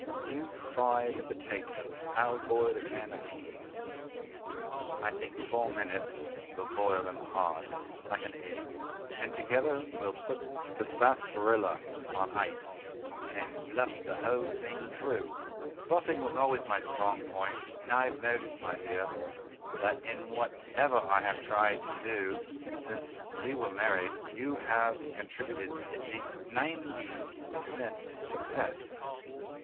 You fry the potatoes and I'll boil the can of pease; I think four minutes will boil them hard, like an egg, and together we'll put the sarsaparilla on ice, and bluff the whole thing through. Bluffing was always my strong point, and I have noticed, my dear, that in whatever I have tried to do since we were married you have contributed at least ninety per cent. to success.